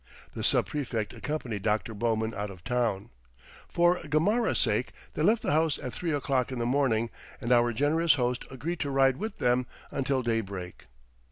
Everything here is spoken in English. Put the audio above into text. The sub prefect accompanied Dr. Bowman out of town. For Gamarra's sake they left the house at three o'clock in the morning and our generous host agreed to ride with them until daybreak.